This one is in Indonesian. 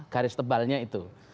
garis tebalnya itu